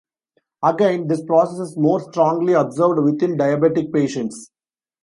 Again, this process is more strongly observed within diabetic patients.